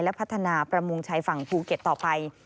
และพัฒนาประมงชายฝั่งภูเก็ตต่อไป